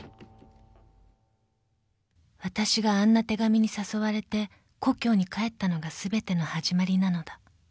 ［わたしがあんな手紙に誘われて故郷に帰ったのがすべての始まりなのだ］